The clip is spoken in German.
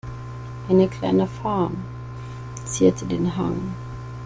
Eine kleine Farm zierte den Hang.